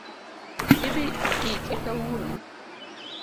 Idhii ike kawuono